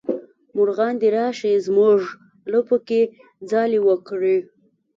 مارغان دې راشي زمونږ لپو کې ځالې وکړي